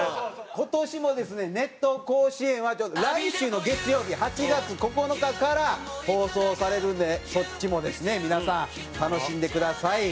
今年もですね『熱闘甲子園』は来週の月曜日８月９日から放送されるんでそっちもですね皆さん楽しんでください。